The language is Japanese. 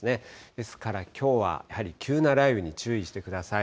ですからきょうはやはり、急な雷雨に注意してください。